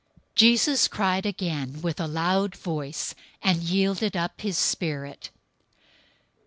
027:050 Jesus cried again with a loud voice, and yielded up his spirit.